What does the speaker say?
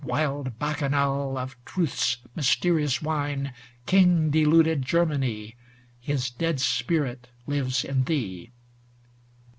Wild Bacchanal of truth's mysterious wine, King deluded Germany, His dead spirit lives in thee.